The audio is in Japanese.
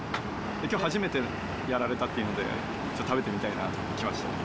きょう初めてやられたっていうので、ちょっと食べてみたいなと思ってきました。